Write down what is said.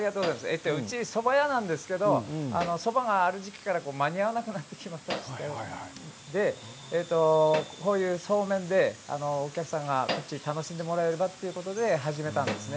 うち、そば屋なんですけれど、そばが、ある時期から間に合わなくなってきましてこういう、そうめんでお客さんに楽しんでもらえればということで始めたんですね。